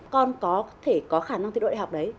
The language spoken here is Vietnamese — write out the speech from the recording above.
con có thể có khả năng thi đội đại học đấy